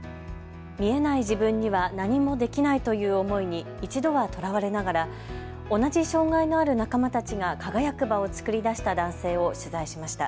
見えない自分には何もできないという思いに一度はとらわれながら同じ障害のある仲間たちが輝く場を作り出した男性を取材しました。